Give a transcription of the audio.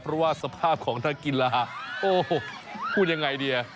เพราะว่าสภาพของนักกีฬาโอ้พูดยังไงดี